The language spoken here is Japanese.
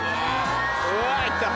うわ行った。